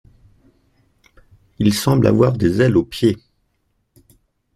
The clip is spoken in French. Il semble avoir des ailes aux pieds.